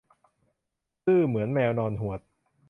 ซื่อเหมือนแมวนอนหวด